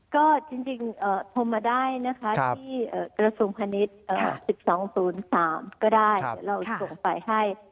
ก็จริงโทรมาได้ที่กระทุ่มคณิต๑๒๐๓ก็ได้เราส่งไปให้